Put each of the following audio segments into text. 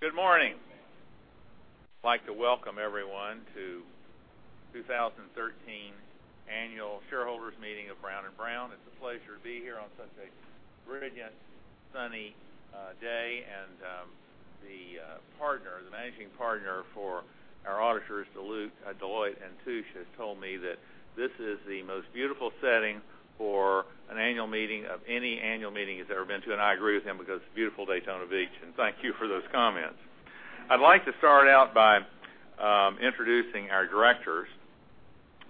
Good morning. The managing partner for our auditors, Deloitte & Touche, has told me that this is the most beautiful setting for an annual meeting of any annual meeting he's ever been to, and I agree with him because it's beautiful Daytona Beach. Thank you for those comments. I'd like to welcome everyone to 2013 Annual Shareholders Meeting of Brown & Brown. It's a pleasure to be here on such a brilliant, sunny day. I'd like to start out by introducing our directors.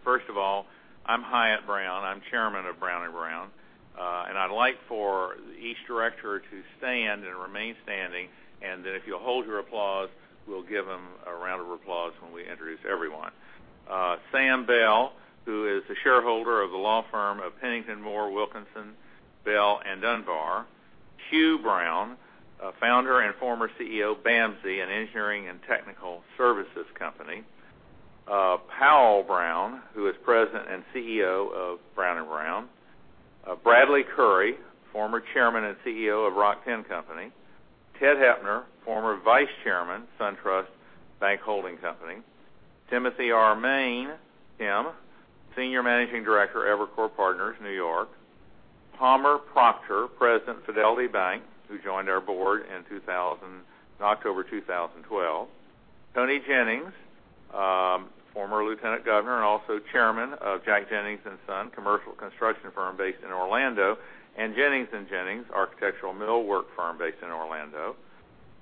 First of all, I'm Hyatt Brown, I'm Chairman of Brown & Brown. I'd like for each director to stand and remain standing, then if you'll hold your applause, we'll give them a round of applause when we introduce everyone. Sam Bell, who is a shareholder of the law firm of Pennington, Moore, Wilkinson, Bell and Dunbar; Hugh Brown, founder and former CEO, BAMSI, an engineering and technical services company; Powell Brown, who is President and CEO of Brown & Brown; Bradley Currey, former Chairman and CEO of Rock-Tenn Company; Ted Hoepner, former Vice Chairman, SunTrust Bank Holding Company; Timothy R. Main, Tim, Senior Managing Director, Evercore Partners, New York; Palmer Proctor, President, Fidelity Bank, who joined our board in October 2012; Toni Jennings, former Lieutenant Governor and also Chairman of Jack Jennings & Sons, commercial construction firm based in Orlando, and Jennings & Jennings, architectural millwork firm based in Orlando;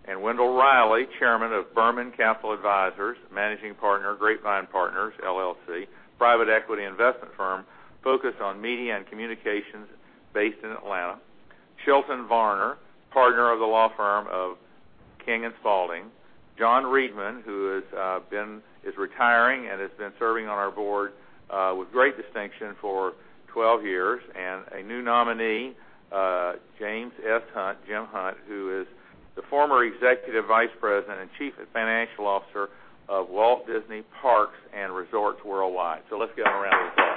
and Wendell Reilly, Chairman of Berman Capital Advisors, Managing Partner, Grapevine Partners LLC, private equity investment firm focused on media and communications based in Atlanta; Chilton Varner, partner of the law firm of King & Spalding; John Riedman, who is retiring and has been serving on our board with great distinction for 12 years; and a new nominee, James S. Hunt, Jim Hunt, who is the former Executive Vice President and Chief Financial Officer of Walt Disney Parks and Resorts Worldwide. Let's give them a round of applause.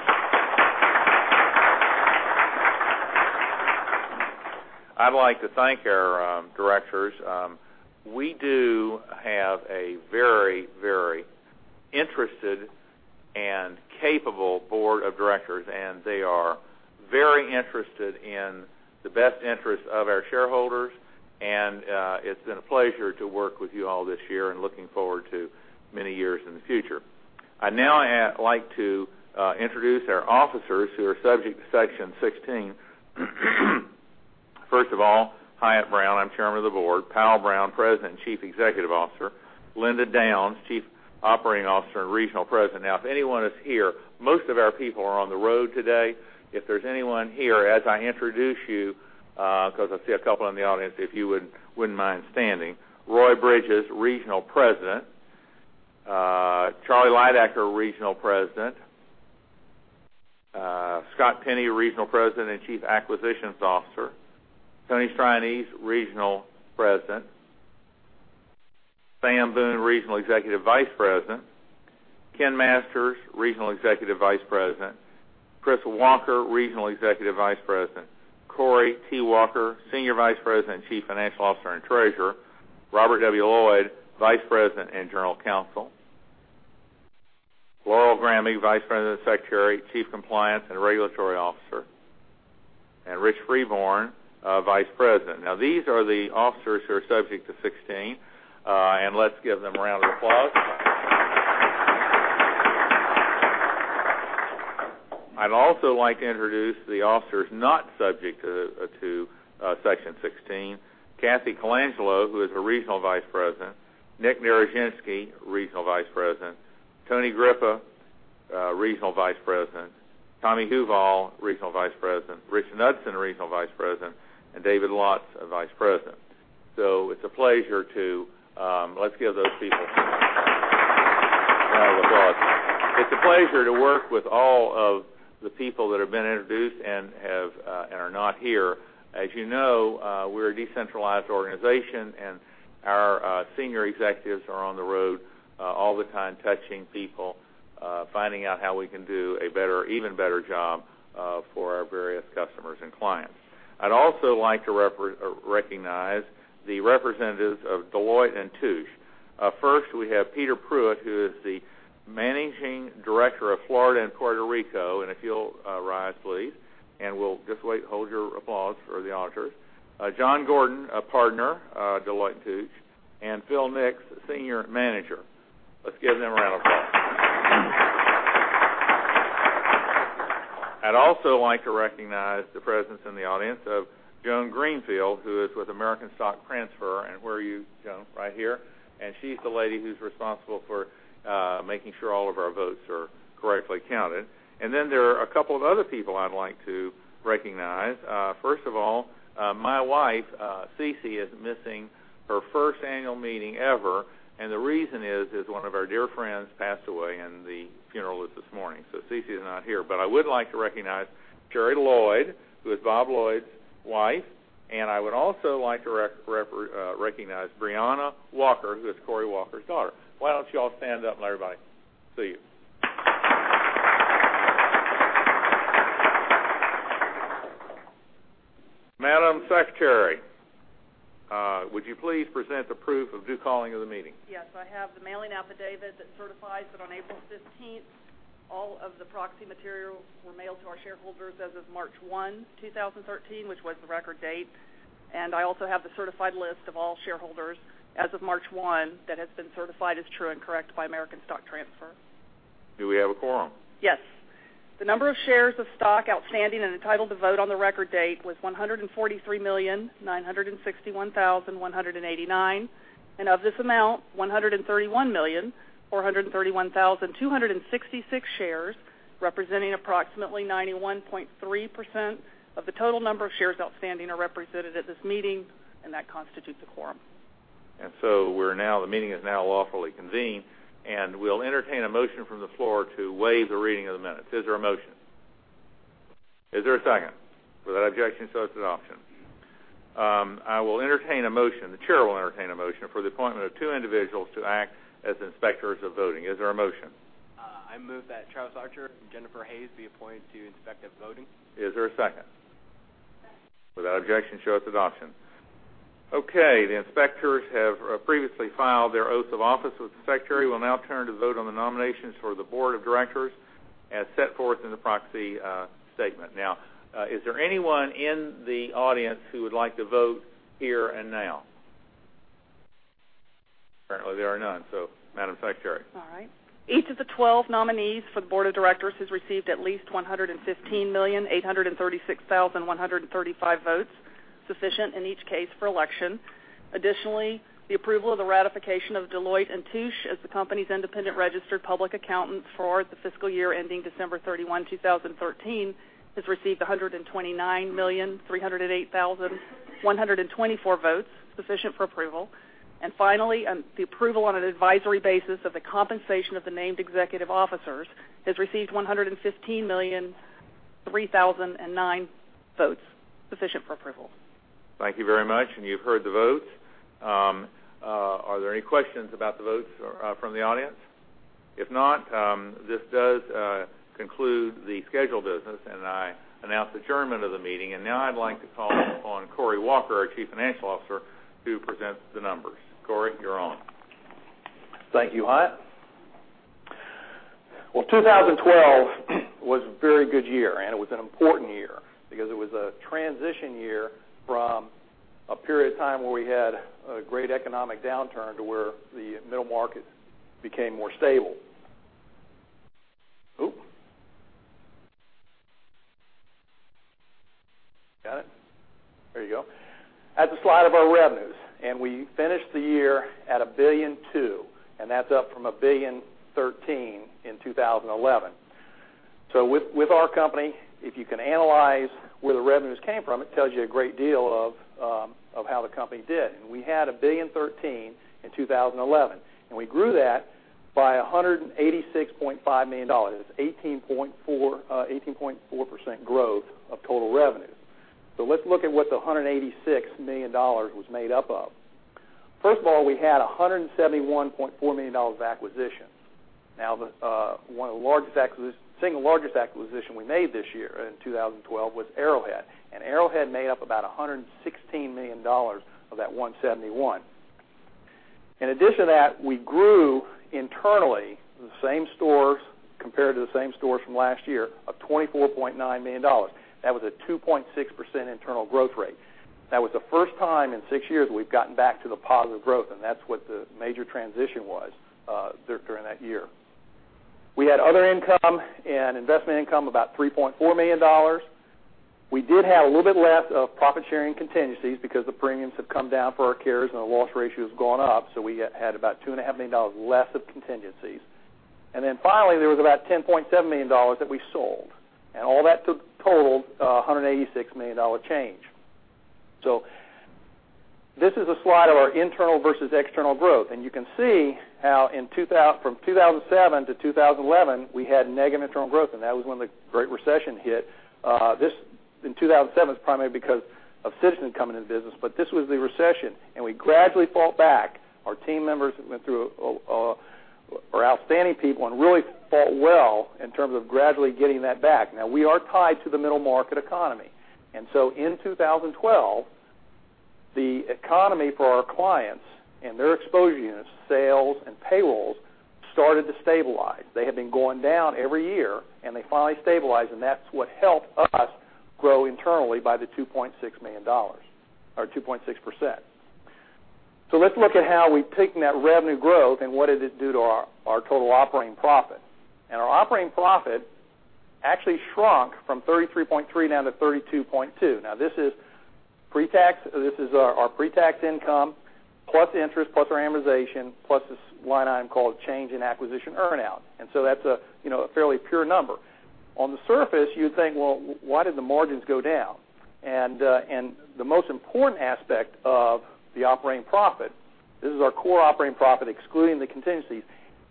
I'd like to thank our directors. We do have a very interested and capable board of directors, and they are very interested in the best interest of our shareholders, and it's been a pleasure to work with you all this year and looking forward to many years in the future. I'd now like to introduce our officers who are subject to Section 16. First of all, Hyatt Brown, I'm Chairman of the Board; Powell Brown, President and Chief Executive Officer; Linda Downs, Chief Operating Officer and Regional President. If anyone is here, most of our people are on the road today. If there's anyone here, as I introduce you, because I see a couple in the audience, if you wouldn't mind standing. Roy Bridges, Regional President; Charlie Lydecker, Regional President; Scott Penny, Regional President and Chief Acquisitions Officer; Tony Strianese, Regional President; Sam Boone, Regional Executive Vice President; Ken Masters, Regional Executive Vice President; Chris Walker, Regional Executive Vice President; Cory T. Walker, Senior Vice President and Chief Financial Officer and Treasurer; Robert W. Lloyd, Vice President and General Counsel; Laurel Grammig, Vice President, Secretary, Chief Compliance and Regulatory Officer; and Rich Freeborn, Vice President. These are the officers who are subject to 16. Let's give them a round of applause. I'd also like to introduce the officers not subject to Section 16. Cathy Colangelo, who is a Regional Vice President; Nick Naruszynski, Regional Vice President; Tony Griffa, Regional Vice President; Tommy Huval, Regional Vice President; Rich Knudsen, Regional Vice President; and David Lotts, a Vice President. Let's give those people a round of applause. It's a pleasure to work with all of the people that have been introduced and are not here. As you know, we're a decentralized organization, and our senior executives are on the road all the time, touching people, finding out how we can do an even better job for our various customers and clients. I'd also like to recognize the representatives of Deloitte & Touche. First, we have Peter Pruitt, who is the Managing Director of Florida and Puerto Rico, and if you'll rise, please, and we'll just wait, hold your applause for the auditors. John Gordon, a Partner, Deloitte & Touche, and Phil Nix, Senior Manager. Let's give them a round of applause. I'd also like to recognize the presence in the audience of Joan Greenfield, who is with American Stock Transfer. Where are you, Joan? Right here. She's the lady who's responsible for making sure all of our votes are correctly counted. There are a couple of other people I'd like to recognize. First of all, my wife, Ceci, is missing her first annual meeting ever, and the reason is one of our dear friends passed away and the funeral is this morning, so Ceci is not here. I would like to recognize Jeri Lloyd, who is Bob Lloyd's wife, and I would also like to recognize Brianna Walker, who is Cory Walker's daughter. Why don't you all stand up and let everybody see you? Madam Secretary, would you please present the proof of due calling of the meeting? Yes. I have the mailing affidavit that certifies that on April 15th, all of the proxy material were mailed to our shareholders as of March 1, 2013, which was the record date. I also have the certified list of all shareholders as of March 1, that has been certified as true and correct by American Stock Transfer. Do we have a quorum? Yes. The number of shares of stock outstanding and entitled to vote on the record date was 143,961,189. Of this amount, 131,431,266 shares, representing approximately 91.3% of the total number of shares outstanding, are represented at this meeting, that constitutes a quorum. The meeting is now lawfully convened, we'll entertain a motion from the floor to waive the reading of the minutes. Is there a motion? Is there a second? Without objection, so it's adoption. I will entertain a motion, the chair will entertain a motion for the appointment of two individuals to act as inspectors of voting. Is there a motion? I move that Charles Archer and Jennifer Hayes be appointed to inspect the voting. Is there a second? Second. Without objection, show its adoption. Okay, the inspectors have previously filed their oaths of office with the Secretary. We'll now turn to vote on the nominations for the board of directors as set forth in the proxy statement. Is there anyone in the audience who would like to vote here and now? Apparently, there are none. Madam Secretary. All right. Each of the 12 nominees for the board of directors has received at least 115,836,135 votes, sufficient in each case for election. Additionally, the approval of the ratification of Deloitte & Touche as the company's independent registered public accountant for the fiscal year ending December 31, 2013, has received 129,308,124 votes, sufficient for approval. Finally, the approval on an advisory basis of the compensation of the named executive officers has received 115,003,009 votes, sufficient for approval. Thank you very much, and you've heard the votes. Are there any questions about the votes from the audience? If not, this does conclude the scheduled business, and I announce the adjournment of the meeting. Now I'd like to call upon Cory Walker, our Chief Financial Officer, to present the numbers. Cory, you're on. Thank you, Hyatt. Well, 2012 was a very good year, and it was an important year because it was a transition year from a period of time where we had a great economic downturn to where the middle market became more stable. Got it? There you go. That's a slide of our revenues, and we finished the year at $1.2 billion, and that's up from $1.013 billion in 2011. With our company, if you can analyze where the revenues came from, it tells you a great deal of how the company did. We had $1.013 billion in 2011, and we grew that by $186.5 million. That's 18.4% growth of total revenues. Let's look at what the $186 million was made up of. First of all, we had $171.4 million of acquisitions. Single largest acquisition we made this year in 2012 was Arrowhead made up about $116 million of that 171. In addition to that, we grew internally the same stores compared to the same stores from last year of $24.9 million. That was a 2.6% internal growth rate. That was the first time in six years we've gotten back to the positive growth, that's what the major transition was during that year. We had other income and investment income about $3.4 million. We did have a little bit less of profit-sharing contingencies because the premiums have come down for our carriers and our loss ratio has gone up. We had about $2.5 million less of contingencies. Finally, there was about $10.7 million that we sold. All that totaled $186 million change. This is a slide of our internal versus external growth. You can see how from 2007 to 2011, we had negative internal growth, that was when the great recession hit. In 2007, it's primarily because of Citizens coming into the business. This was the recession, we gradually fought back. Our team members are outstanding people and really fought well in terms of gradually getting that back. We are tied to the middle market economy. In 2012, the economy for our clients and their exposure units, sales, and payrolls started to stabilize. They had been going down every year, they finally stabilized, that's what helped us grow internally by the $2.6 million or 2.6%. Let's look at how we've taken that revenue growth and what did it do to our total operating profit. Our operating profit actually shrunk from 33.3% down to 32.2%. This is our pre-tax income plus interest, plus our amortization, plus this line item called change in acquisition earn-out. That's a fairly pure number. On the surface, you'd think, well, why did the margins go down? The most important aspect of the operating profit, this is our core operating profit, excluding the contingencies.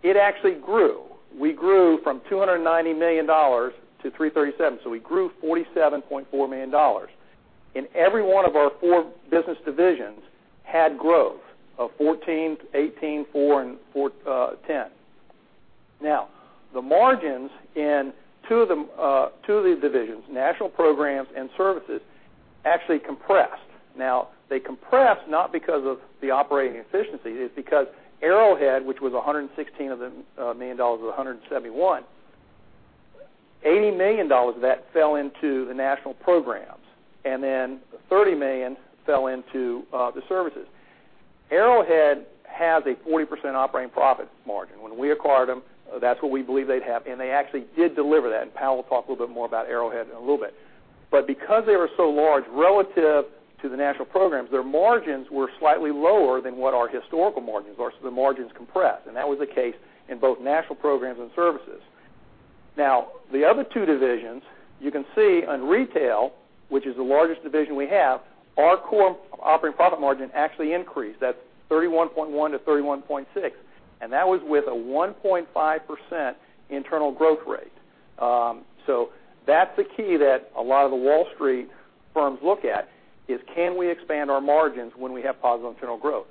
It actually grew. We grew from $290 million to $337 million. We grew $47.4 million. Every one of our four business divisions had growth of 14%, 18%, 4%, and 10%. The margins in two of these divisions, National Programs and Services, actually compressed. They compressed not because of the operating efficiency. It's because Arrowhead, which was $116 million of the $171 million, $80 million of that fell into the National Programs, $30 million fell into the Services. Arrowhead has a 40% operating profit margin. When we acquired them, that's what we believed they'd have, and they actually did deliver that, and Powell will talk a little bit more about Arrowhead in a little bit. Because they were so large relative to the National Programs, their margins were slightly lower than what our historical margins are, so the margins compressed, and that was the case in both National Programs and Services. The other two divisions, you can see on Retail, which is the largest division we have, our core operating profit margin actually increased. That's 31.1%-31.6%, and that was with a 1.5% internal growth rate. That's the key that a lot of the Wall Street firms look at, is can we expand our margins when we have positive internal growth?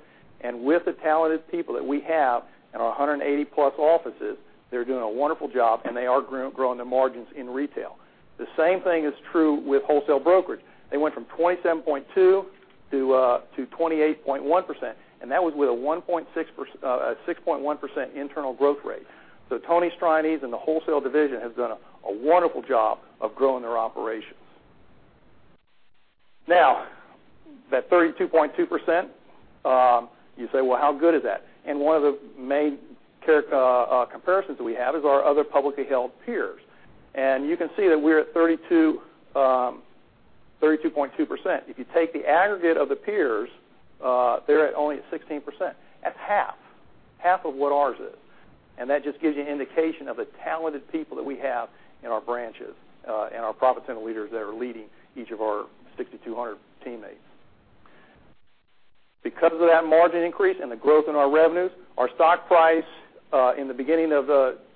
With the talented people that we have in our 180-plus offices, they're doing a wonderful job, and they are growing the margins in Retail. The same thing is true with Wholesale Brokerage. They went from 27.2%-28.1%, and that was with a 6.1% internal growth rate. Tony Strianese and the Wholesale division have done a wonderful job of growing their operations. That 32.2%, you say, "Well, how good is that?" One of the main comparisons that we have is our other publicly-held peers. You can see that we're at 32.2%. If you take the aggregate of the peers, they're at only 16%. That's half of what ours is. That just gives you an indication of the talented people that we have in our branches, and our profit center leaders that are leading each of our 6,200 teammates. Because of that margin increase and the growth in our revenues, our stock price in the beginning of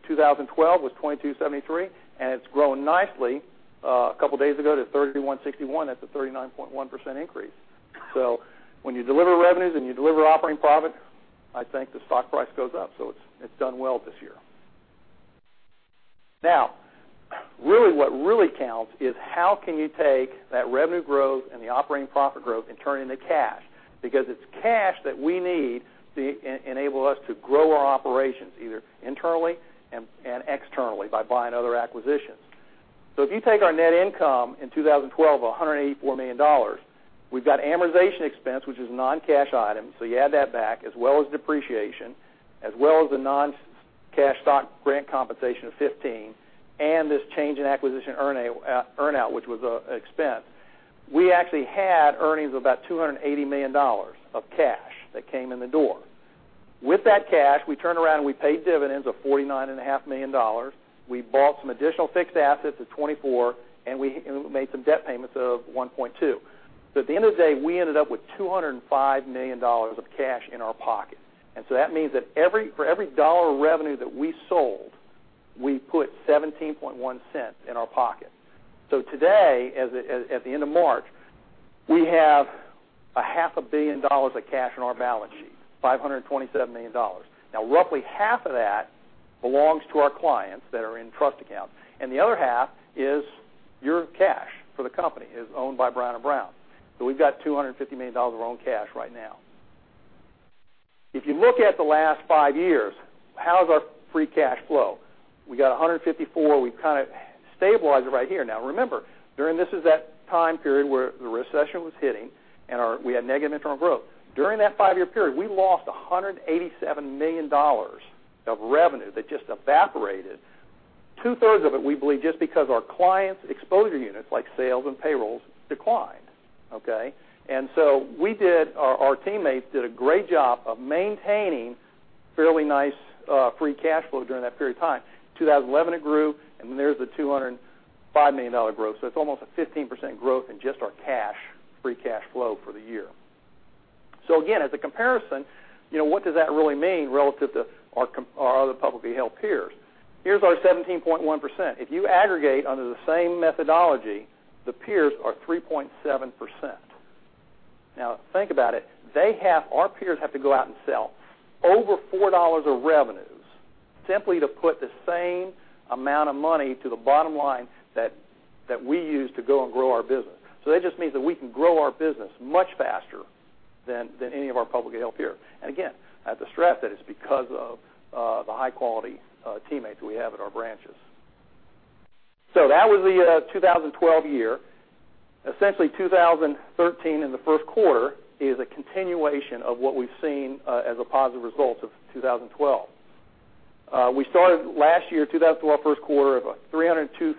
2012 was $22.73, and it's grown nicely a couple of days ago to $31.61. That's a 39.1% increase. When you deliver revenues and you deliver operating profit, I think the stock price goes up. It's done well this year. Really what really counts is how can you take that revenue growth and the operating profit growth and turn it into cash? Because it's cash that we need to enable us to grow our operations, either internally and externally by buying other acquisitions. If you take our net income in 2012 of $184 million, we've got amortization expense, which is a non-cash item, so you add that back, as well as depreciation, as well as the non-cash stock grant compensation of $15 million, and this change in acquisition earn-out, which was an expense. We actually had earnings of about $280 million of cash that came in the door. With that cash, we turned around and we paid dividends of $49.5 million. We bought some additional fixed assets of $24 million, and we made some debt payments of $1.2 million. At the end of the day, we ended up with $205 million of cash in our pocket. That means that for every dollar of revenue that we sold, we put $0.171 in our pocket. Today, at the end of March, we have a half a billion dollars of cash on our balance sheet, $527 million. Roughly half of that belongs to our clients that are in trust accounts, and the other half is your cash for the company, is owned by Brown & Brown. We've got $250 million of our own cash right now. If you look at the last five years, how is our free cash flow? We got $154 million. We've kind of stabilized it right here. Remember, during this is that time period where the recession was hitting, and we had negative internal growth. During that five-year period, we lost $187 million of revenue that just evaporated. Two-thirds of it, we believe, just because our clients' exposure units, like sales and payrolls, declined. Okay? Our teammates did a great job of maintaining fairly nice free cash flow during that period of time. 2011, it grew, and there's the $205 million growth. It's almost a 15% growth in just our free cash flow for the year. Again, as a comparison, what does that really mean relative to our other publicly-held peers? Here's our 17.1%. If you aggregate under the same methodology, the peers are 3.7%. Think about it. Our peers have to go out and sell over $4 of revenues simply to put the same amount of money to the bottom line that we use to go and grow our business. That just means that we can grow our business much faster than any of our publicly-held peers. Again, I have to stress that it's because of the high-quality teammates we have at our branches. That was the 2012 year. Essentially 2013 in the first quarter is a continuation of what we've seen as a positive result of 2012. We started last year, 2012 first quarter, of $302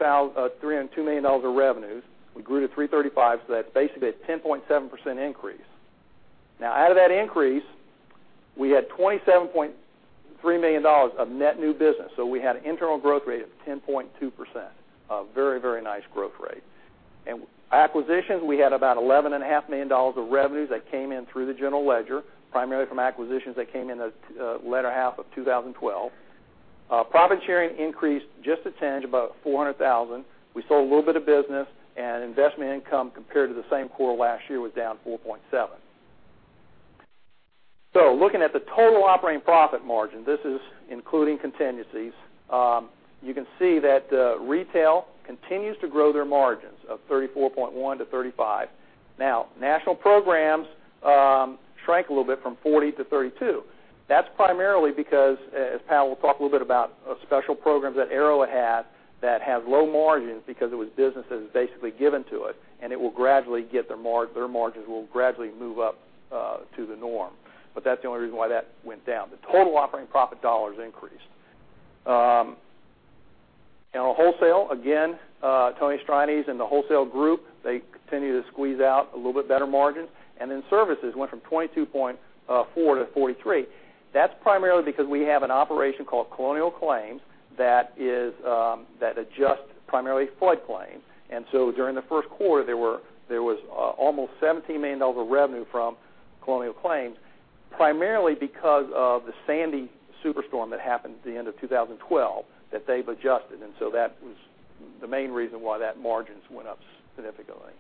million of revenues. We grew to $335 million, that's basically a 10.7% increase. Out of that increase, we had $27.3 million of net new business, we had an internal growth rate of 10.2%, a very, very nice growth rate. Acquisitions, we had about $11.5 million of revenues that came in through the general ledger, primarily from acquisitions that came in the latter half of 2012. Profit sharing increased just a tinge, about $400,000. We sold a little bit of business, investment income compared to the same quarter last year was down 4.7%. Looking at the total operating profit margin, this is including contingencies. You can see that retail continues to grow their margins of 34.1% to 35%. National programs shrank a little bit from 40% to 32%. That's primarily because, as Powell will talk a little bit about, special programs that Arrowhead had that have low margins because it was business that was basically given to it, their margins will gradually move up to the norm. That's the only reason why that went down. The total operating profit dollars increased. Wholesale, again, Tony Strianese and the wholesale group, they continue to squeeze out a little bit better margin. Services went from 22.4% to 43%. That's primarily because we have an operation called Colonial Claims that adjusts primarily flood claims. During the first quarter, there was almost $17 million of revenue from Colonial Claims, primarily because of Superstorm Sandy that happened at the end of 2012 that they've adjusted. That was the main reason why that margins went up significantly.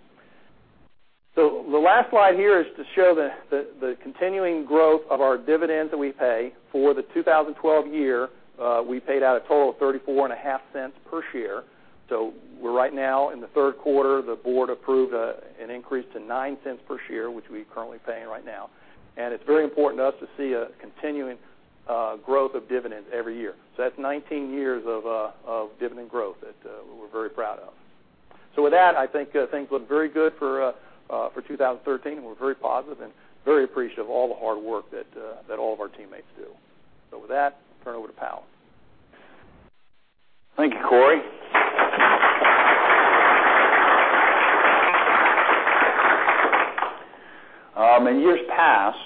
The last slide here is to show the continuing growth of our dividends that we pay. For the 2012 year, we paid out a total of $0.345 per share. We're right now in the third quarter, the board approved an increase to $0.09 per share, which we're currently paying right now. It's very important to us to see a continuing growth of dividends every year. That's 19 years of dividend growth that we're very proud of. With that, I think things look very good for 2013. We're very positive and very appreciative of all the hard work that all of our teammates do. With that, I'll turn it over to Powell. Thank you, Cory. In years past.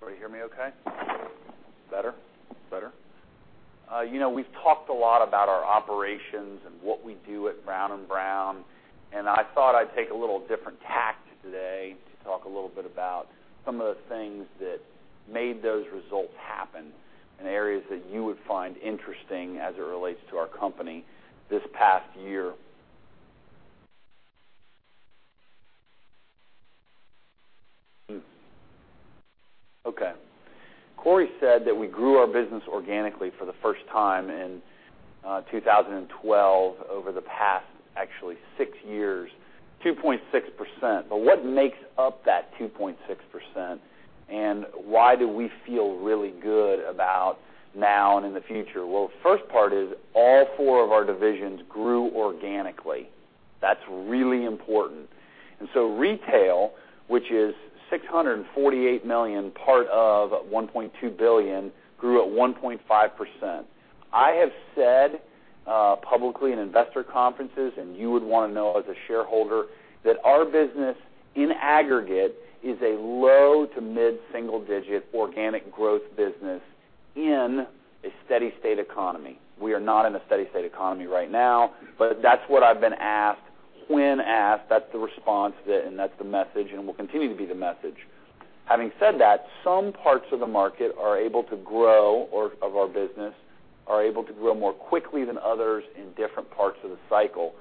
Everybody hear me okay? Better? We've talked a lot about our operations and what we do at Brown & Brown, and I thought I'd take a little different tact today to talk a little bit about some of the things that made those results happen, and areas that you would find interesting as it relates to our company this past year. Okay. Cory said that we grew our business organically for the first time in 2012 over the past, actually, six years, 2.6%. What makes up that 2.6%? Why do we feel really good about now and in the future? First part is all four of our divisions grew organically. That's really important. Retail, which is $648 million, part of $1.2 billion, grew at 1.5%. I have said publicly in investor conferences, you would want to know as a shareholder, that our business in aggregate is a low to mid-single digit organic growth business in a steady state economy. We are not in a steady state economy right now, but that's what I've been asked. When asked, that's the response, and that's the message, and will continue to be the message. Having said that, some parts of the market of our business are able to grow more quickly than others in different parts of the cycle.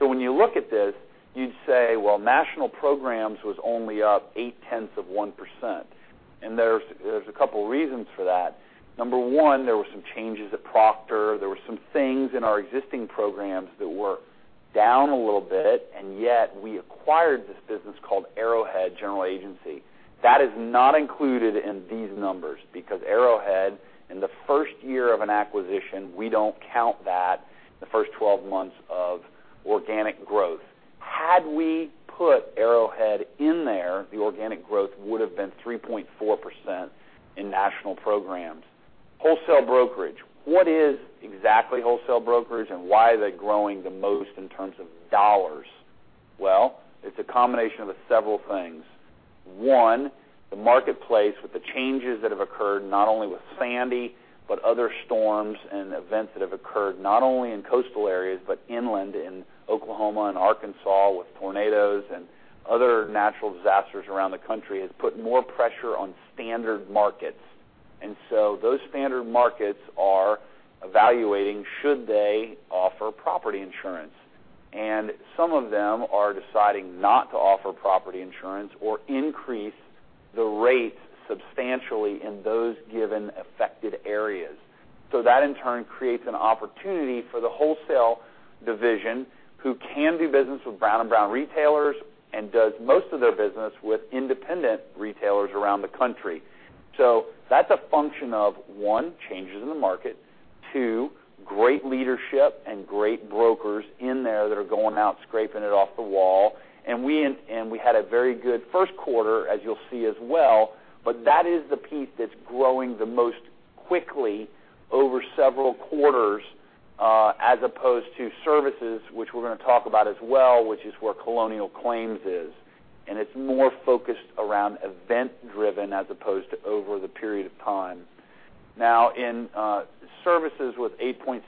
When you look at this, you'd say, National Programs was only up 0.8%. There's a couple reasons for that. Number one, there were some changes at Proctor. There were some things in our existing programs that were down a little bit, and yet we acquired this business called Arrowhead General Agency. That is not included in these numbers because Arrowhead, in the first year of an acquisition, we don't count that the first 12 months of organic growth. Had we put Arrowhead in there, the organic growth would've been 3.4% in National Programs. Wholesale Brokerage. What is exactly Wholesale Brokerage, and why are they growing the most in terms of dollars? It's a combination of several things. 1, the marketplace with the changes that have occurred, not only with Sandy, but other storms and events that have occurred, not only in coastal areas, but inland in Oklahoma and Arkansas with tornadoes and other natural disasters around the country, has put more pressure on standard markets. Those standard markets are evaluating should they offer property insurance. Some of them are deciding not to offer property insurance or increase the rates substantially in those given affected areas. That in turn creates an opportunity for the Wholesale Division, who can do business with Brown & Brown retailers and does most of their business with independent retailers around the country. That's a function of, 1, changes in the market, 2, great leadership and great brokers in there that are going out scraping it off the wall. We had a very good first quarter, as you'll see as well. That is the piece that's growing the most quickly over several quarters as opposed to Services, which we're going to talk about as well, which is where Colonial Claims is. It's more focused around event-driven as opposed to over the period of time. In Services with 8.6%,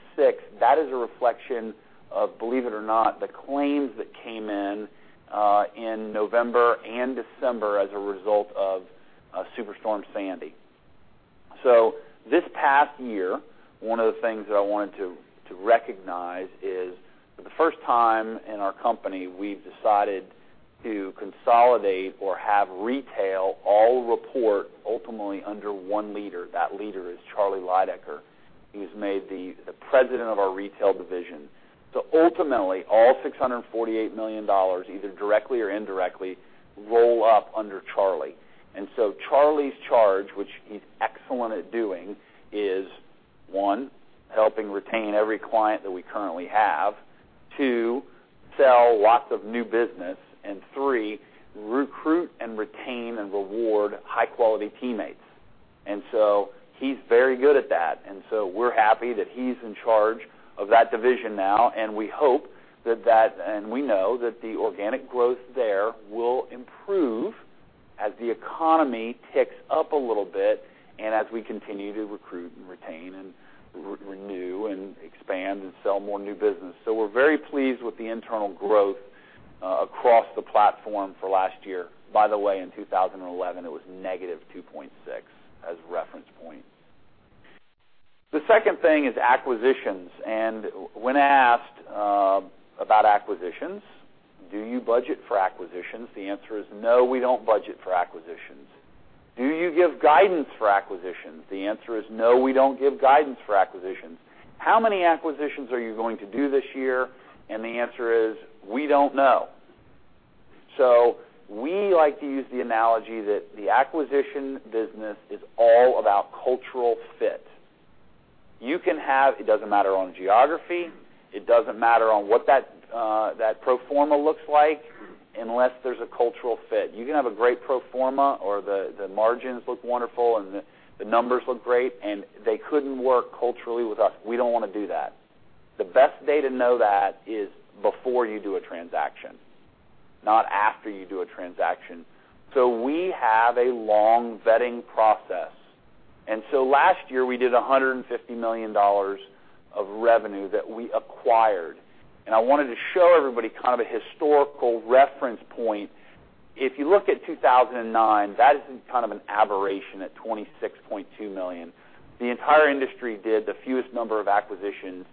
that is a reflection of, believe it or not, the claims that came in in November and December as a result of Superstorm Sandy. This past year, one of the things that I wanted to recognize is, for the first time in our company, we've decided to consolidate or have Retail all report ultimately under one leader. That leader is Charlie Lydecker. He was made the President of our Retail Division. Ultimately, all $648 million, either directly or indirectly, roll up under Charlie. Charlie's charge, which he's excellent at doing, is, 1, helping retain every client that we currently have, 2, sell lots of new business, and 3, recruit and retain and reward high-quality teammates. He's very good at that. We're happy that he's in charge of that division now, and we hope that and we know that the organic growth there will improve as the economy ticks up a little bit and as we continue to recruit and retain and renew and expand and sell more new business. We're very pleased with the internal growth across the platform for last year. By the way, in 2011, it was -2.6% as a reference point. The second thing is acquisitions. When asked about acquisitions, do you budget for acquisitions? The answer is no, we don't budget for acquisitions. Do you give guidance for acquisitions? The answer is no, we don't give guidance for acquisitions. How many acquisitions are you going to do this year? The answer is, we don't know. We like to use the analogy that the acquisition business is all about cultural fit. You can have. It doesn't matter on geography. It doesn't matter on what that pro forma looks like, unless there's a cultural fit. You can have a great pro forma or the margins look wonderful and the numbers look great, and they couldn't work culturally with us. We don't want to do that. The best day to know that is before you do a transaction, not after you do a transaction. We have a long vetting process. Last year, we did $150 million of revenue that we acquired, and I wanted to show everybody kind of a historical reference point. If you look at 2009, that is kind of an aberration at $26.2 million. The entire industry did the fewest number of acquisitions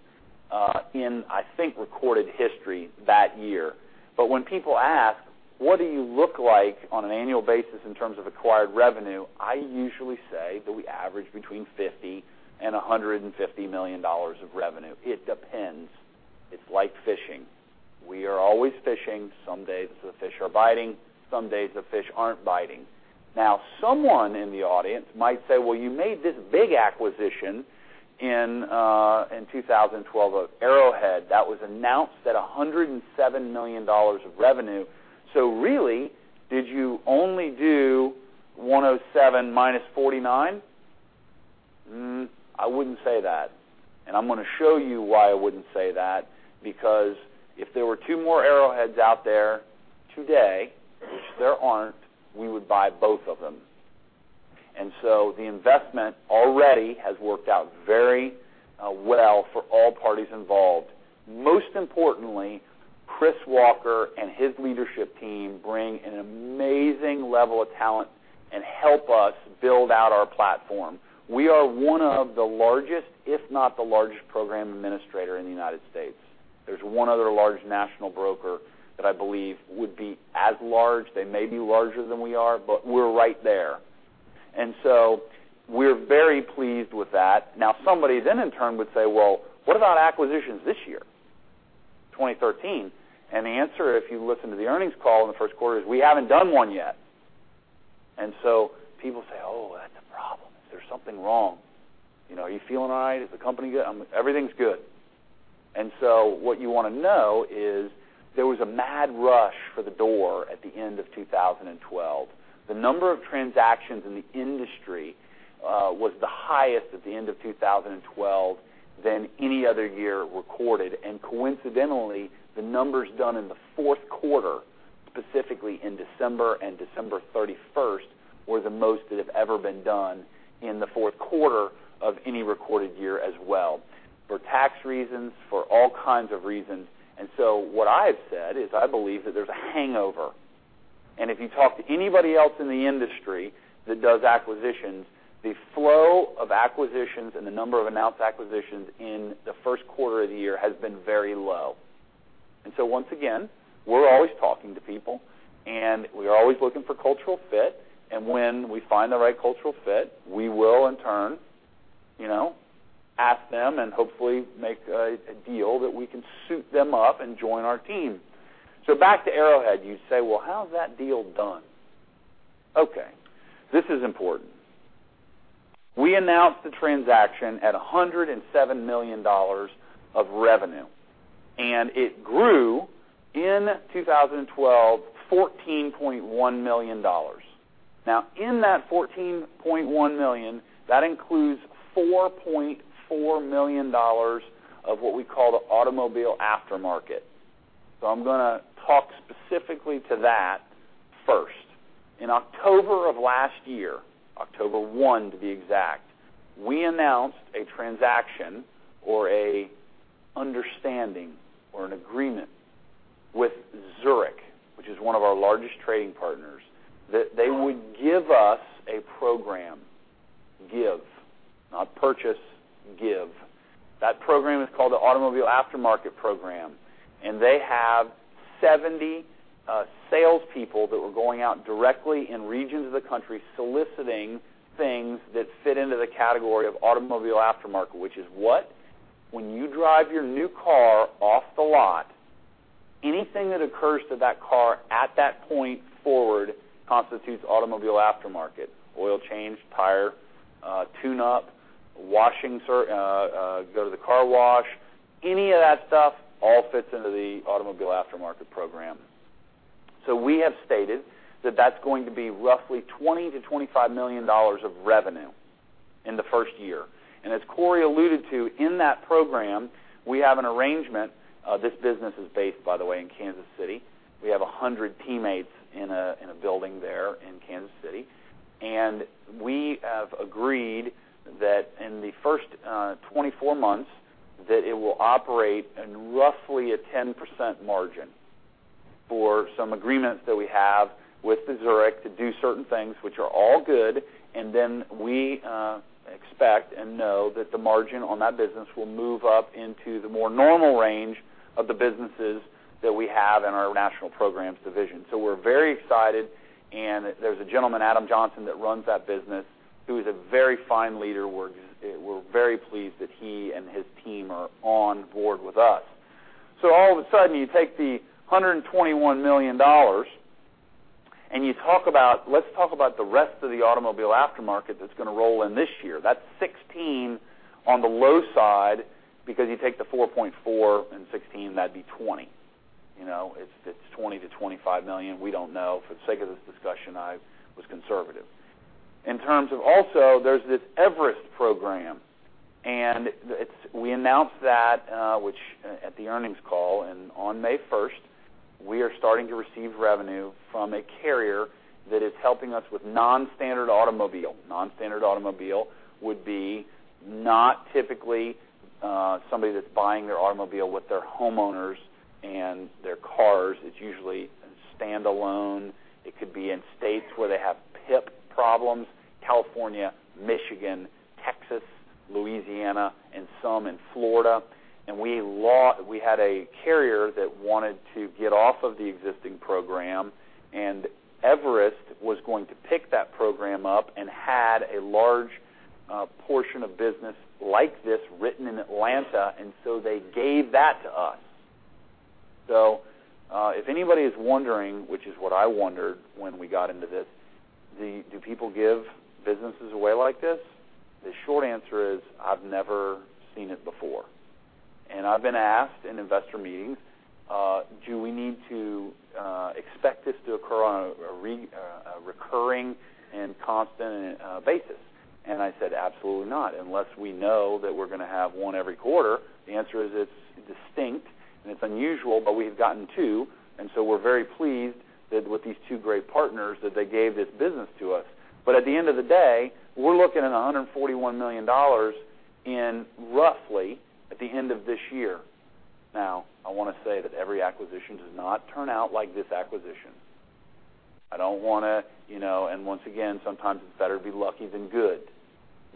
in, I think, recorded history that year. When people ask, what do you look like on an annual basis in terms of acquired revenue? I usually say that we average between $50 million and $150 million of revenue. It depends. It's like fishing. We are always fishing. Some days the fish are biting, some days the fish aren't biting. Someone in the audience might say, "You made this big acquisition in 2012 of Arrowhead. That was announced at $107 million of revenue. Really, did you only do 107 minus 49?" I wouldn't say that. I'm going to show you why I wouldn't say that, because if there were two more Arrowheads out there today, which there aren't, we would buy both of them. The investment already has worked out very well for all parties involved. Most importantly, Chris Walker and his leadership team bring an amazing level of talent and help us build out our platform. We are one of the largest, if not the largest program administrator in the U.S. There's one other large national broker that I believe would be as large. They may be larger than we are, but we're right there. We're very pleased with that. Somebody then in turn would say, "What about acquisitions this year, 2013?" The answer, if you listen to the earnings call in the first quarter, is we haven't done one yet. People say, "That's a problem. Is there something wrong? Are you feeling all right? Is the company good?" Everything's good. What you want to know is there was a mad rush for the door at the end of 2012. The number of transactions in the industry was the highest at the end of 2012 than any other year recorded. Coincidentally, the numbers done in the fourth quarter, specifically in December and December 31st, were the most that have ever been done in the fourth quarter of any recorded year as well, for tax reasons, for all kinds of reasons. What I've said is I believe that there's a hangover. If you talk to anybody else in the industry that does acquisitions, the flow of acquisitions and the number of announced acquisitions in the first quarter of the year has been very low. Once again, we're always talking to people, and we're always looking for cultural fit. When we find the right cultural fit, we will in turn ask them and hopefully make a deal that we can suit them up and join our team. Back to Arrowhead, you say, "Well, how's that deal done?" This is important. We announced the transaction at $107 million of revenue, and it grew in 2012, $14.1 million. In that $14.1 million, that includes $4.4 million of what we call the Automotive Aftermarket. I'm going to talk specifically to that first. In October of last year, October 1 to be exact, we announced a transaction or an understanding or an agreement with Zurich, which is one of our largest trading partners, that they would give us a program. Give, not purchase, give. That program is called the Automotive Aftermarket Program. They have 70 salespeople that were going out directly in regions of the country soliciting things that fit into the category of Automotive Aftermarket, which is what? When you drive your new car off the lot, anything that occurs to that car at that point forward constitutes Automotive Aftermarket. Oil change, tire, tune-up, washing, go to the car wash. Any of that stuff all fits into the Automotive Aftermarket program. We have stated that that's going to be roughly $20 million to $25 million of revenue in the first year. As Cory alluded to, in that program, we have an arrangement. This business is based, by the way, in Kansas City. We have 100 teammates in a building there in Kansas City. We have agreed that in the first 24 months, that it will operate in roughly a 10% margin for some agreements that we have with Zurich to do certain things, which are all good. We expect and know that the margin on that business will move up into the more normal range of the businesses that we have in our national programs division. We're very excited, and there's a gentleman, Adam Johnson, that runs that business, who is a very fine leader. We're very pleased that he and his team are on board with us. All of a sudden, you take the $121 million, and you talk about, let's talk about the rest of the Automotive Aftermarket that's going to roll in this year. That's 16 on the low side, because you take the 4.4 and 16, that would be 20. It's $20 million to $25 million. We don't know. For the sake of this discussion, I was conservative. In terms of also, there's this Everest Program. We announced that at the earnings call. On May 1st, we are starting to receive revenue from a carrier that is helping us with non-standard automobile. Non-standard automobile would be not typically somebody that's buying their automobile with their homeowners and their cars. It's usually standalone. It could be in states where they have PIP problems, California, Michigan, Texas, Louisiana, and some in Florida. We had a carrier that wanted to get off of the existing program. Everest was going to pick that program up and had a large portion of business like this written in Atlanta. They gave that to us. If anybody is wondering, which is what I wondered when we got into this, do people give businesses away like this? The short answer is I've never seen it before. Do we need to expect this to occur on a recurring and constant basis? I said, "Absolutely not." Unless we know that we're going to have one every quarter, the answer is it's distinct and it's unusual, but we've gotten two, and we're very pleased that with these two great partners, they gave this business to us. At the end of the day, we're looking at $141 million in roughly at the end of this year. I want to say that every acquisition does not turn out like this acquisition. I don't want to. Once again, sometimes it's better to be lucky than good.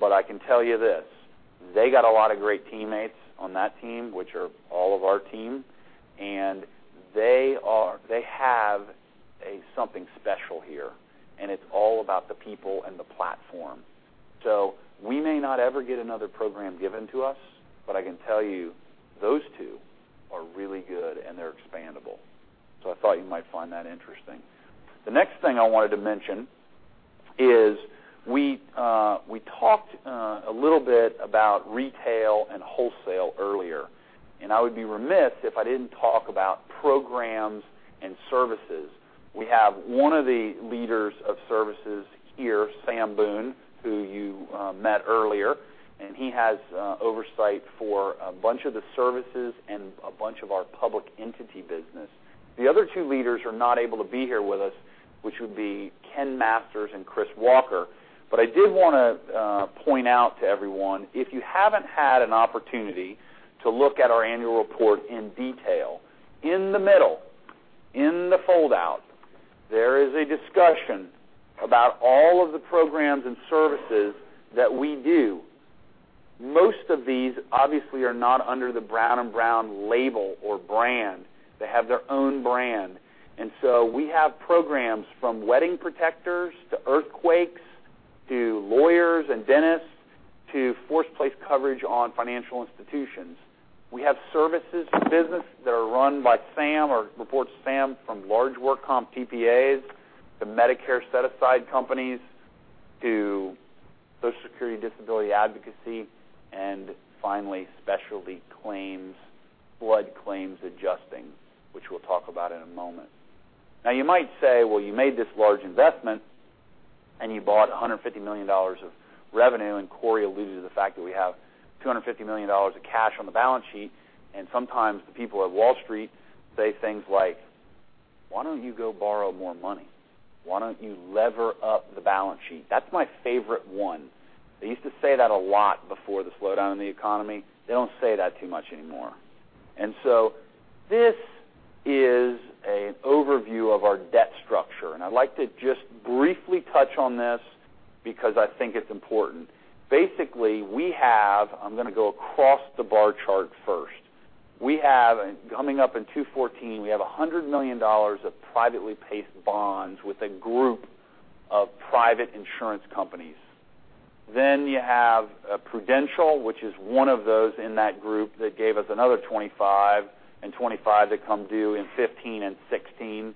I can tell you this, they got a lot of great teammates on that team, which are all of our team, and they have something special here, and it's all about the people and the platform. We may not ever get another program given to us, but I can tell you those two are really good, and they're expandable. I thought you might find that interesting. The next thing I wanted to mention is we talked a little bit about retail and wholesale earlier, and I would be remiss if I didn't talk about programs and services. We have one of the leaders of services here, Sam R. Boone, Jr., who you met earlier, and he has oversight for a bunch of the services and a bunch of our public entity business. The other two leaders are not able to be here with us, which would be Kenneth R. Masters and Chris L. Walker. I did want to point out to everyone, if you haven't had an opportunity to look at our annual report in detail, in the middle, in the foldout, there is a discussion about all of the programs and services that we do. Most of these, obviously, are not under the Brown & Brown label or brand. They have their own brand. We have programs from wedding protectors to earthquakes to lawyers and dentists to force place coverage on financial institutions. We have services business that are run by Sam or report to Sam from large work comp TPAs to Medicare Set-Aside companies to Social Security disability advocacy, and finally, specialty claims, flood claims adjusting, which we'll talk about in a moment. You might say, "Well, you made this large investment and you bought $150 million of revenue," and Cory T. Walker alluded to the fact that we have $250 million of cash on the balance sheet, and sometimes the people at Wall Street say things like, "Why don't you go borrow more money? Why don't you lever up the balance sheet?" That's my favorite one. They used to say that a lot before the slowdown in the economy. They don't say that too much anymore. This is an overview of our debt structure, and I'd like to just briefly touch on this because I think it's important. Basically, we have. I'm going to go across the bar chart first. We have, coming up in 2014, we have $100 million of privately placed bonds with a group of private insurance companies. You have Prudential, which is one of those in that group that gave us another $25 million and $25 million that come due in 2015 and 2016.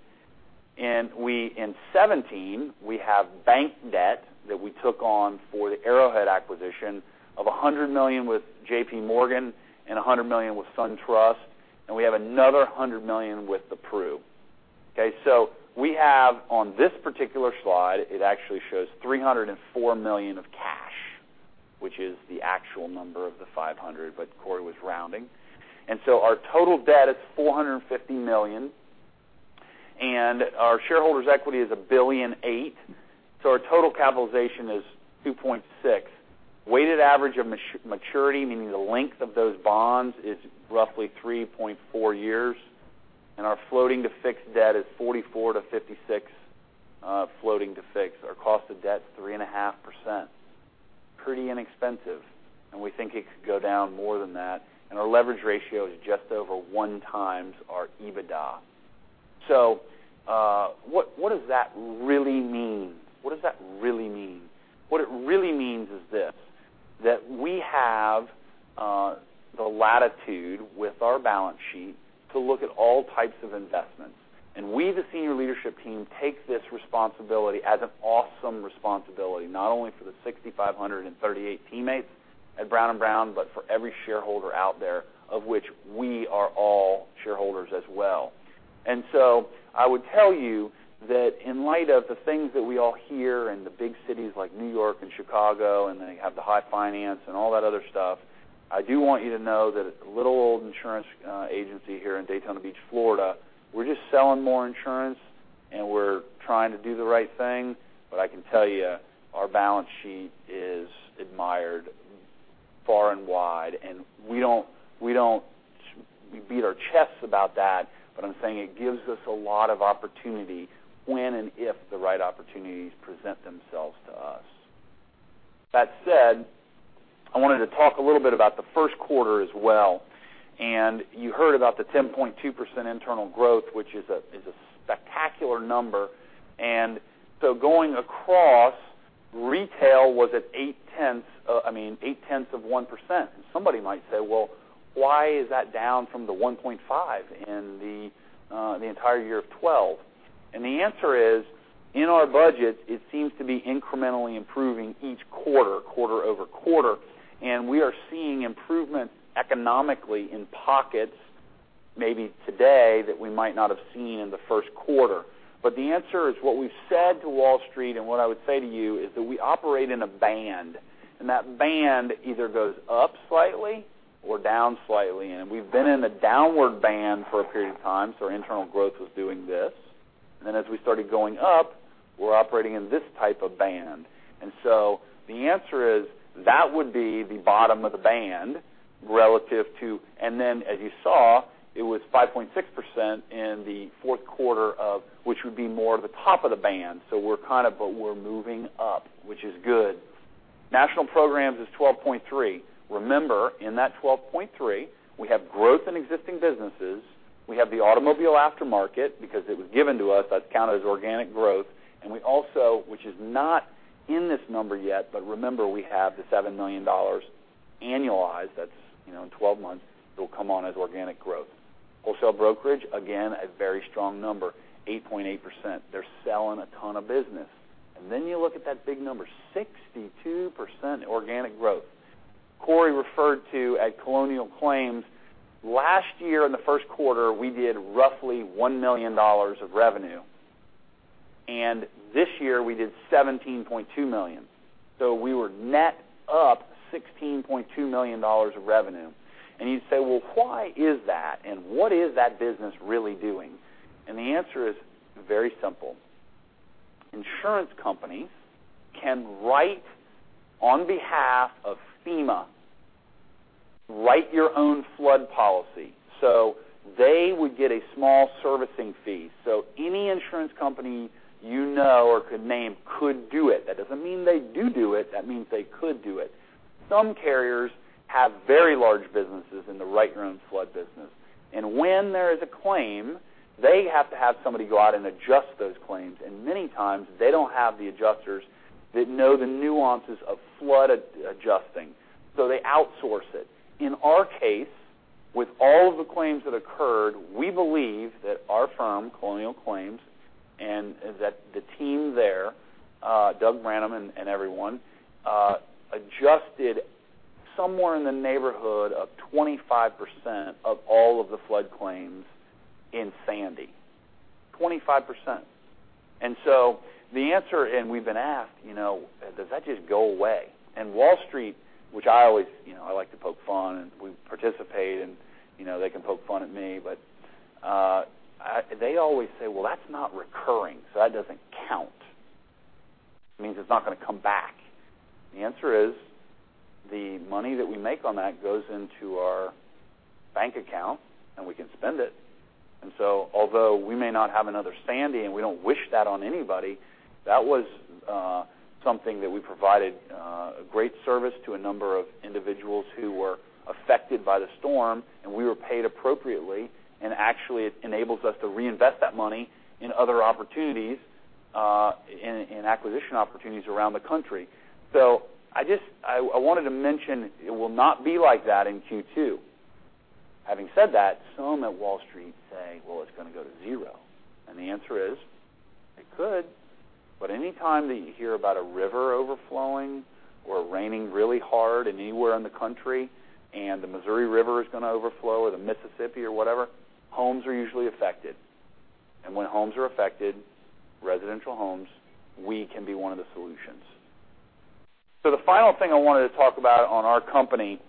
We, in 2017, we have bank debt that we took on for the Arrowhead acquisition of $100 million with JP Morgan and $100 million with SunTrust, and we have another $100 million with The Pru. We have on this particular slide, it actually shows $304 million of cash, which is the actual number of the $500 million, but Cory was rounding. Our total debt is $450 million, and our shareholders' equity is $1.8 billion, so our total capitalization is $2.6 billion. Weighted average of maturity, meaning the length of those bonds, is roughly 3.4 years, and our floating to fixed debt is 44%-56% floating to fixed. Our cost of debt is 3.5%. Pretty inexpensive, we think it could go down more than that. Our leverage ratio is just over 1 times our EBITDA. What does that really mean? What it really means is this, that we have the latitude with our balance sheet to look at all types of investments. We, the senior leadership team, take this responsibility as an awesome responsibility, not only for the 6,538 teammates at Brown & Brown, but for every shareholder out there, of which we are all shareholders as well. I would tell you that in light of the things that we all hear in the big cities like New York and Chicago, they have the high finance and all that other stuff, I do want you to know that as a little old insurance agency here in Daytona Beach, Florida, we're just selling more insurance and we're trying to do the right thing. I can tell you, our balance sheet is admired far and wide, we don't beat our chests about that, I'm saying it gives us a lot of opportunity when and if the right opportunities present themselves to us. That said, I wanted to talk a little bit about the first quarter as well. You heard about the 10.2% internal growth, which is a spectacular number. Going across, retail was at 0.8%. Somebody might say, "Well, why is that down from the 1.5% in the entire year of 2012?" The answer is, in our budget, it seems to be incrementally improving each quarter-over-quarter, we are seeing improvement economically in pockets maybe today that we might not have seen in the first quarter. The answer is, what we've said to Wall Street and what I would say to you is that we operate in a band, that band either goes up slightly or down slightly. We've been in a downward band for a period of time, so our internal growth was doing this. As we started going up, we're operating in this type of band. The answer is that would be the bottom of the band relative to and then as you saw, it was 5.6% in the fourth quarter, which would be more the top of the band. We're moving up, which is good. National programs is 12.3%. Remember, in that 12.3%, we have growth in existing businesses, we have the Automotive Aftermarket because it was given to us. That's counted as organic growth. We also, which is not in this number yet, but remember, we have the $7 million annualized, that's in 12 months, that will come on as organic growth. Wholesale brokerage, again, a very strong number, 8.8%. They're selling a ton of business. You look at that big number, 62% organic growth. Cory referred to at Colonial Claims, last year in the first quarter, we did roughly $1 million of revenue. This year, we did $17.2 million. We were net up $16.2 million of revenue. You'd say, "Well, why is that? What is that business really doing?" The answer is very simple. Insurance companies can write on behalf of FEMA, Write Your Own flood policy. They would get a small servicing fee. Any insurance company you know or could name could do it. That doesn't mean they do it. That means they could do it. Some carriers have very large businesses in the Write Your Own flood business. When there is a claim, they have to have somebody go out and adjust those claims, and many times they don't have the adjusters that know the nuances of flood adjusting. They outsource it. In our case, with all of the claims that occurred, we believe that our firm, Colonial Claims, and that the team there, Doug Branham and everyone, adjusted somewhere in the neighborhood of 25% of all of the flood claims in Sandy. 25%. The answer, we've been asked, does that just go away? Wall Street, which I like to poke fun, and we participate, and they can poke fun at me, but they always say, "Well, that's not recurring, that doesn't count." It means it's not going to come back. The answer is, the money that we make on that goes into our bank account, and we can spend it. Although we may not have another standing, and we don't wish that on anybody, that was something that we provided a great service to a number of individuals who were affected by the storm, and we were paid appropriately. Actually, it enables us to reinvest that money in other opportunities, in acquisition opportunities around the country. I wanted to mention it will not be like that in Q2. Having said that, some at Wall Street say, "Well, it's going to go to zero." The answer is, it could. Any time that you hear about a river overflowing or raining really hard anywhere in the country, and the Missouri River is going to overflow, or the Mississippi, or whatever, homes are usually affected. When homes are affected, residential homes, we can be one of the solutions. The final thing I wanted to talk about on our company,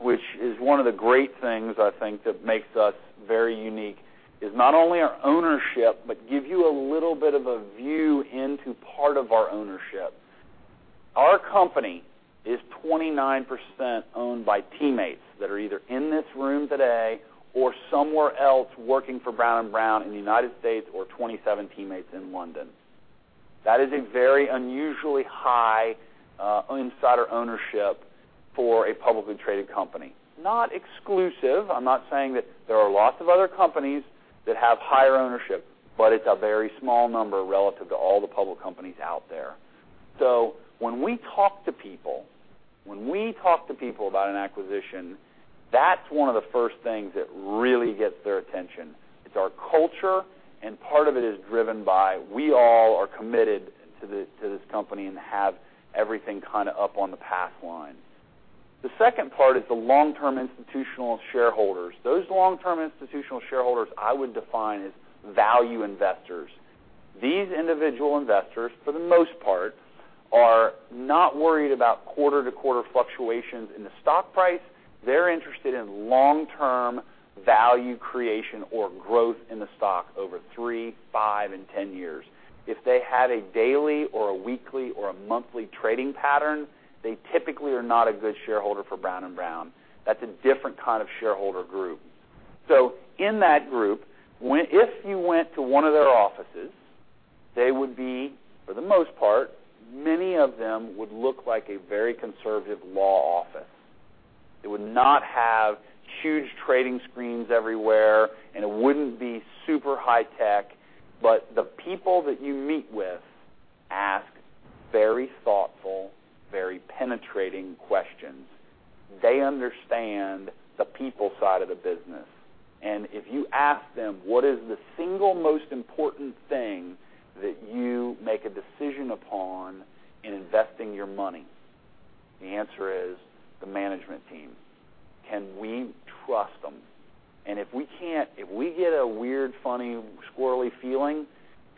which is one of the great things, I think, that makes us very unique, is not only our ownership, but give you a little bit of a view into part of our ownership. Our company is 29% owned by teammates that are either in this room today or somewhere else working for Brown & Brown in the U.S., or 27 teammates in London. That is a very unusually high insider ownership for a publicly traded company. Not exclusive. I am not saying that. There are lots of other companies that have higher ownership, but it is a very small number relative to all the public companies out there. When we talk to people about an acquisition, that is one of the first things that really gets their attention. It is our culture, part of it is driven by we all are committed to this company and have everything kind of up on the pass line. The second part is the long-term institutional shareholders. Those long-term institutional shareholders, I would define as value investors. These individual investors, for the most part, are not worried about quarter-to-quarter fluctuations in the stock price. They are interested in long-term value creation or growth in the stock over three, five, and 10 years. If they had a daily or a weekly or a monthly trading pattern, they typically are not a good shareholder for Brown & Brown. That is a different kind of shareholder group. In that group, if you went to one of their offices, they would be, for the most part, many of them would look like a very conservative law office. It would not have huge trading screens everywhere, it would not be super high tech. The people that you meet with ask very thoughtful, very penetrating questions. They understand the people side of the business. If you ask them, what is the single most important thing that you make a decision upon in investing your money? The answer is the management team. Can we trust them? If we cannot, if we get a weird, funny, squirrely feeling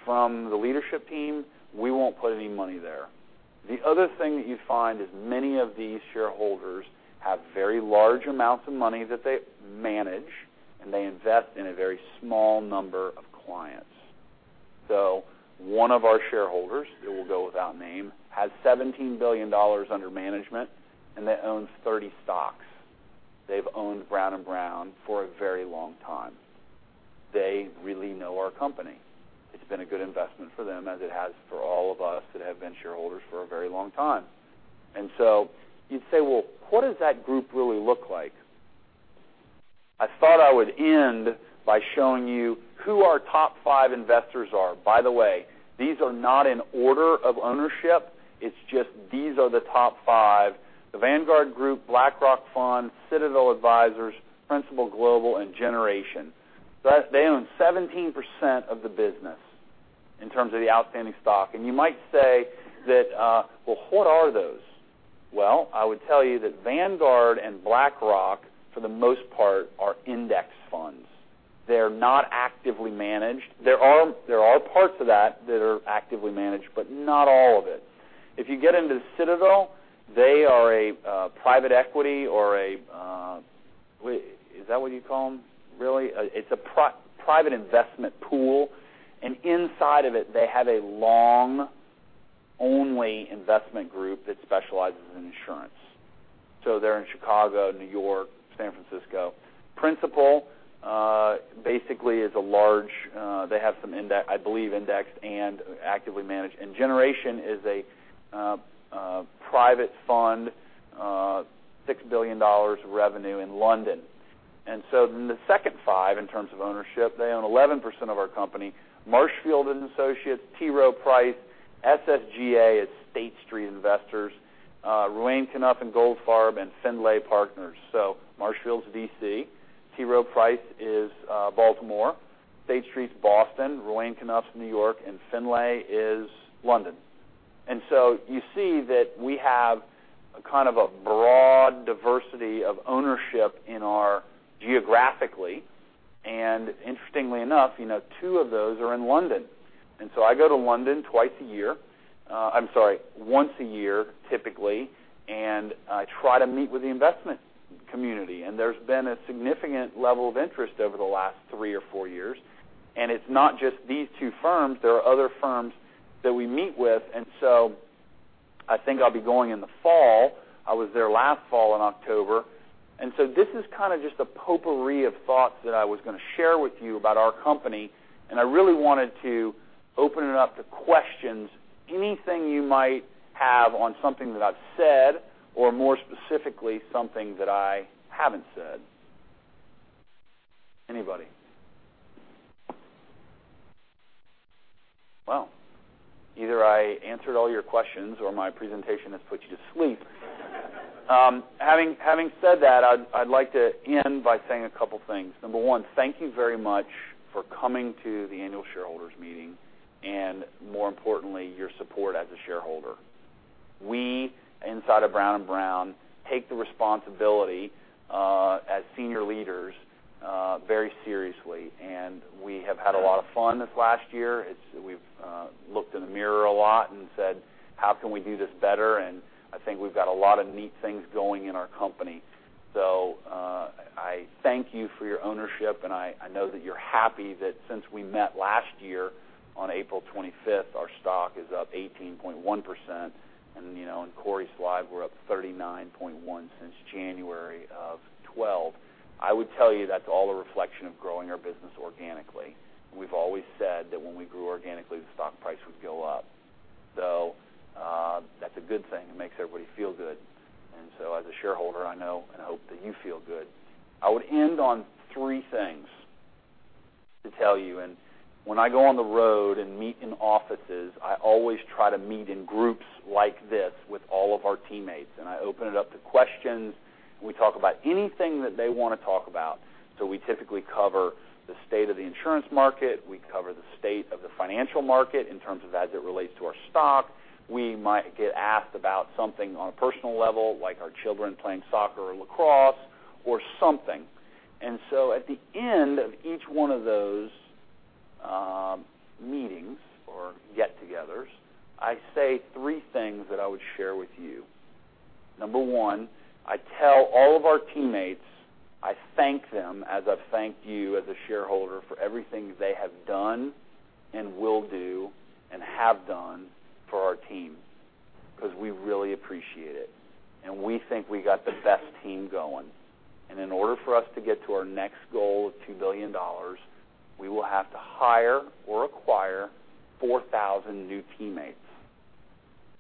from the leadership team, we will not put any money there. The other thing that you find is many of these shareholders have very large amounts of money that they manage, and they invest in a very small number of clients. One of our shareholders, who will go without name, has $17 billion under management, and they own 30 stocks. They have owned Brown & Brown for a very long time. They really know our company. It has been a good investment for them, as it has for all of us that have been shareholders for a very long time. Well, you would say, what does that group really look like? I thought I would end by showing you who our top five investors are. By the way, these are not in order of ownership. It is just these are the top five: The Vanguard Group, BlackRock Fund, Citadel Advisors, Principal Global, and Generation. They own 17% of the business in terms of the outstanding stock. You might say, "Well, what are those?" Well, I would tell you that Vanguard and BlackRock, for the most part, are index funds. They are not actively managed. There are parts of that are actively managed, but not all of it. Citadel, they are a private equity, or is that what you call them, really? A private investment pool, and inside of it, they have a long-only investment group that specializes in insurance. They're in Chicago, New York, San Francisco. They have some, I believe, index and actively managed. Generation is a private fund, $6 billion of revenue in London. In the second 5, in terms of ownership, they own 11% of our company. Marshfield Associates, T. Rowe Price, SSGA, it's State Street, Ruane, Cunniff & Goldfarb, and Findlay Park Partners. Marshfield's D.C., T. Rowe Price is Baltimore, State Street's Boston, Ruane, Cunniff's New York, and Findlay Park is London. You see that we have a broad diversity of ownership geographically, and interestingly enough, two of those are in London. I go to London twice a year, I'm sorry, once a year, typically, and I try to meet with the investment community. There's been a significant level of interest over the last three or four years, and it's not just these two firms, there are other firms that we meet with. I think I'll be going in the fall. I was there last fall in October. This is just a potpourri of thoughts that I was going to share with you about our company, and I really wanted to open it up to questions, anything you might have on something that I've said, or more specifically, something that I haven't said. Anybody? Either I answered all your questions or my presentation has put you to sleep. Having said that, I'd like to end by saying a couple things. Number one, thank you very much for coming to the annual shareholders meeting, and more importantly, your support as a shareholder. We, inside of Brown & Brown, take the responsibility as senior leaders very seriously. We have had a lot of fun this last year. We've looked in the mirror a lot and said, "How can we do this better?" I think we've got a lot of neat things going in our company. I thank you for your ownership, and I know that you're happy that since we met last year on April 25th, our stock is up 18.1%, and in Cory's slide, we're up 39.1% since January of 2012. I would tell you that's all a reflection of growing our business organically. We've always said that when we grew organically, the stock price would go up. That's a good thing. It makes everybody feel good. As a shareholder, I know and hope that you feel good. I would end on three things to tell you. When I go on the road and meet in offices, I always try to meet in groups like this with all of our teammates, and I open it up to questions. We talk about anything that they want to talk about. We typically cover the state of the insurance market. We cover the state of the financial market in terms of as it relates to our stock. We might get asked about something on a personal level, like our children playing soccer or lacrosse or something. At the end of each one of those meetings or get-togethers, I say three things that I would share with you. Number one, I tell all of our teammates, I thank them as I thank you as a shareholder for everything they have done and will do and have done for our team, because we really appreciate it. We think we got the best team going. In order for us to get to our next goal of $2 billion, we will have to hire or acquire 4,000 new teammates.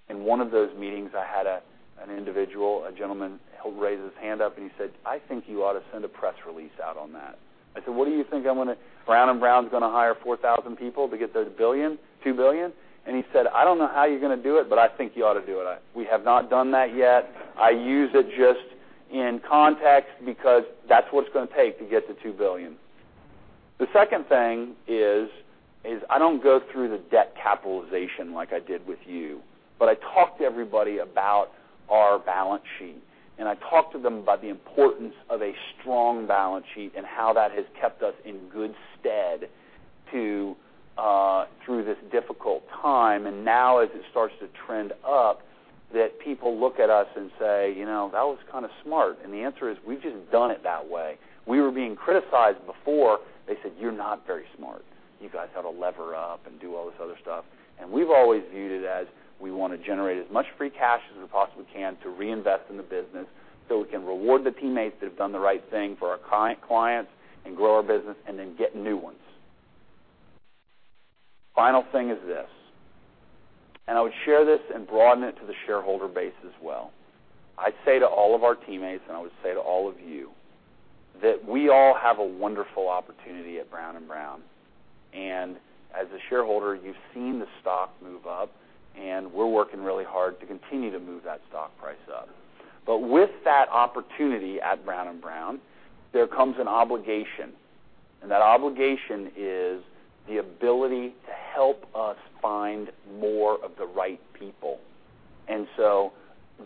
In one of those meetings, I had an individual, a gentleman raise his hand up and he said, "I think you ought to send a press release out on that." I said, "What do you think I'm going to Brown & Brown's going to hire 4,000 people to get to $2 billion?" He said, "I don't know how you're going to do it, but I think you ought to do it." We have not done that yet. I use it just in context because that's what it's going to take to get to $2 billion. The second thing is, I don't go through the debt capitalization like I did with you, but I talk to everybody about our balance sheet, and I talk to them about the importance of a strong balance sheet and how that has kept us in good stead through this difficult time. Now as it starts to trend up, that people look at us and say, "That was kind of smart." The answer is we've just done it that way. We were being criticized before. They said, "You're not very smart. You guys got to lever up and do all this other stuff." We've always viewed it as we want to generate as much free cash as we possibly can to reinvest in the business, so we can reward the teammates that have done the right thing for our current clients and grow our business, then get new ones. Final thing is this, I would share this and broaden it to the shareholder base as well. I'd say to all of our teammates, I would say to all of you, that we all have a wonderful opportunity at Brown & Brown. As a shareholder, you've seen the stock move up, we're working really hard to continue to move that stock price up. With that opportunity at Brown & Brown, there comes an obligation, that obligation is the ability to help us find more of the right people.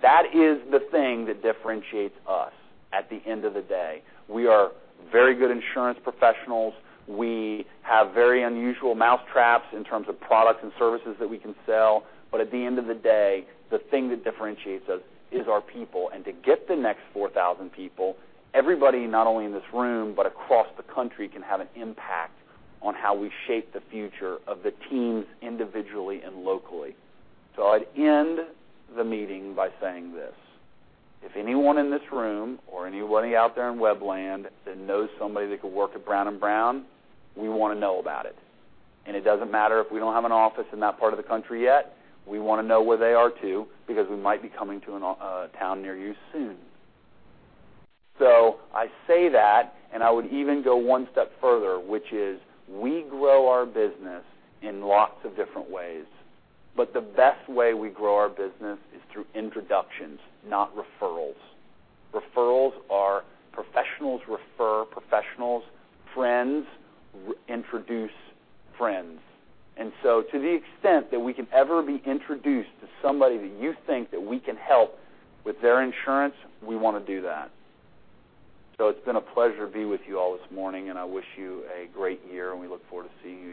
That is the thing that differentiates us at the end of the day. We are very good insurance professionals. We have very unusual mousetraps in terms of products and services that we can sell. At the end of the day, the thing that differentiates us is our people. To get the next 4,000 people, everybody, not only in this room, but across the country, can have an impact on how we shape the future of the teams individually and locally. I'd end the meeting by saying this. If anyone in this room or anybody out there in web land that knows somebody that could work at Brown & Brown, we want to know about it. It doesn't matter if we don't have an office in that part of the country yet. We want to know where they are too, because we might be coming to a town near you soon. I say that, and I would even go one step further, which is we grow our business in lots of different ways. The best way we grow our business is through introductions, not referrals. Referrals are professionals refer professionals, friends introduce friends. To the extent that we can ever be introduced to somebody that you think that we can help with their insurance, we want to do that. It's been a pleasure to be with you all this morning, and I wish you a great year, and we look forward to seeing you